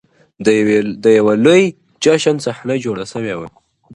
د یوه لوی جشن صحنه جوړه سوې وه -